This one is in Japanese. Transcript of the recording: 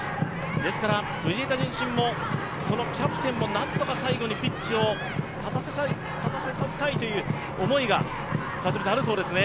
ですから、藤枝順心もそのキャプテンを何とか最後にピッチに立たせたいという思いがあるそうですね。